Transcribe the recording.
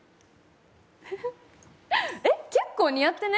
ふふ、結構似合ってね？